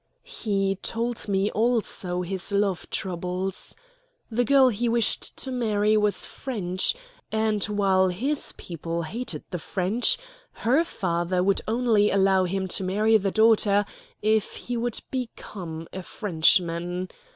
He told me also his love troubles. The girl he wished to marry was French, and while his people hated the French, her father would only allow him to marry the daughter if he would become a Frenchman.